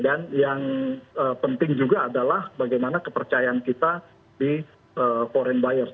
dan yang penting juga adalah bagaimana kepercayaan kita di foreign buyers